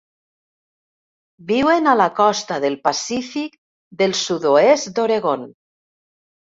Viuen a la costa del Pacífic del sud-oest d'Oregon.